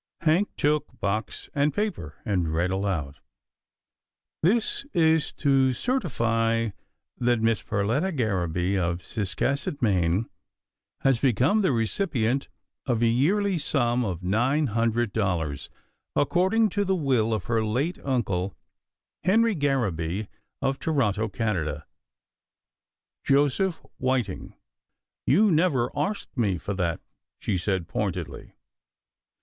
Hank took box and paper, and read aloud, " This is to certify that Miss Perletta Garraby of Ciscasset, Maine, has become the recipient of a yearly sum of nine hundred dollars, according to the will of her late uncle, Henry Garraby of Toronto, Canada. Joseph Whiting." " You never arsked me for that," she said pointedly.